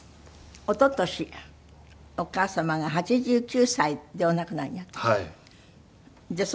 一昨年お母様が８９歳でお亡くなりになったの？